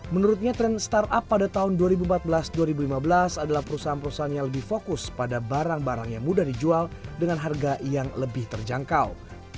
menurutnya tren startup pada tahun dua ribu empat belas dua ribu lima belas adalah perusahaan perusahaan yang lebih fokus pada barang barang yang mudah dijual dengan harga yang lebih terjangkau